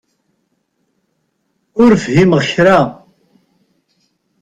Ur fhimeɣ kra.